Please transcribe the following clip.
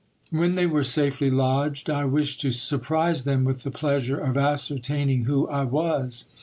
When they were safely lodged, I wished to surprise them with the pleasure of ascertaining who I was.